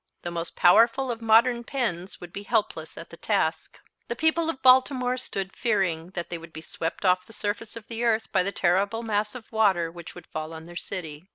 The most powerful of modern pens would be helpless at the task. The people of Baltimore stood fearing that they would be swept off the surface of the earth by the terrible mass of water which would fall on their city.